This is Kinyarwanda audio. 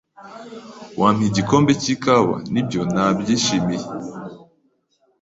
"Wampa igikombe cy'ikawa?" "Nibyo. Nabyishimiye."